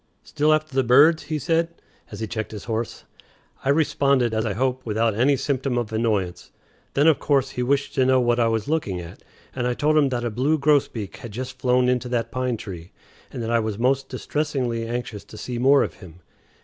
"Still after the birds?" he said, as he checked his horse. I responded, as I hope, without any symptom of annoyance. Then, of course, he wished to know what I was looking at, and I told him that a blue grosbeak had just flown into that pine tree, and that I was most distressingly anxious to see more of him.